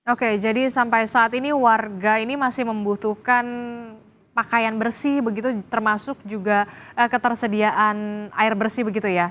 oke jadi sampai saat ini warga ini masih membutuhkan pakaian bersih begitu termasuk juga ketersediaan air bersih begitu ya